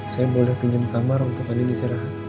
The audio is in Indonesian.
saya boleh pinjam kamar untuk andin istirahat